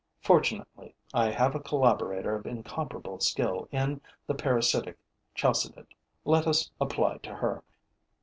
Fortunately, I have a collaborator of incomparable skill in the parasitic Chalcidid. Let us apply to her.